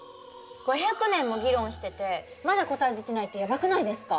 ５００年も議論しててまだ答え出てないってやばくないですか？